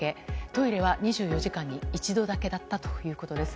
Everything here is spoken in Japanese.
トイレは２４時間に１度だけだったということです。